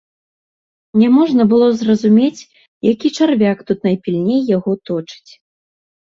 Няможна было зразумець, які чарвяк тут найпільней яго точыць.